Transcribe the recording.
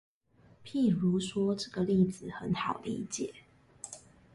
譬如說，這個例子很好理解